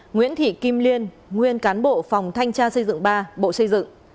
nguyễn thị kim liên nguyên cán bộ phòng thanh tra xây dựng ba bộ xây dựng